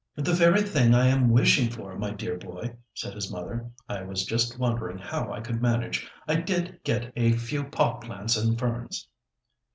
"The very thing I am wishing for, my dear boy," said his mother. "I was just wondering how I could manage; I did get a few pot plants and ferns."